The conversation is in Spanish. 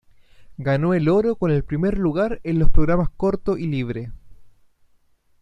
Ganó el oro con el primer lugar en los programas corto y libre.